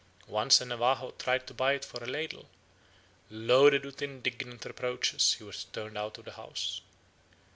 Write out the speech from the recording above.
Once a Navajo tried to buy it for a ladle; loaded with indignant reproaches, he was turned cut of the house.